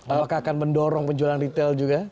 apakah akan mendorong penjualan retail juga